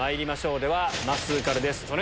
では、まっすーからです。